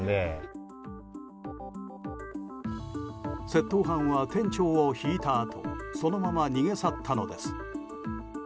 窃盗犯は店長をひいたあとそのまま逃げ去ったのです。